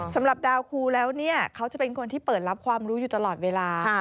สำหรับดาวครูแล้วเนี่ยเขาจะเป็นคนที่เปิดรับความรู้อยู่ตลอดเวลา